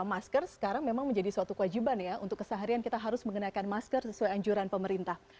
masker sekarang memang menjadi suatu kewajiban ya untuk keseharian kita harus mengenakan masker sesuai anjuran pemerintah